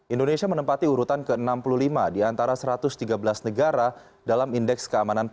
indonesia menempati urutan ke enam puluh lima di antara satu ratus tiga belas negara dalam indeks keamanan